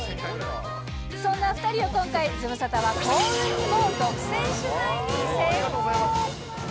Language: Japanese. そんな２人を今回、ズムサタは幸運にも独占取材に成功。